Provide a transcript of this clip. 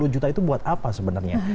lima puluh juta itu buat apa sebenarnya